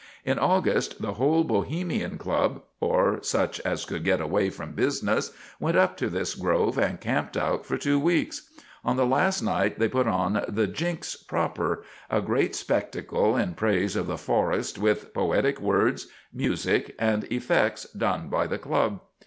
In August the whole Bohemian Club, or such as could get away from business, went up to this grove and camped out for two weeks. On the last night they put on the Jinks proper, a great spectacle in praise of the forest with poetic words, music and effects done by the club.